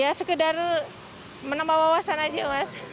ya sekedar menambah wawasan aja mas